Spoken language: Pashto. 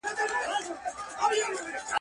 او پر غوږونو یې د رباب د شرنګ ,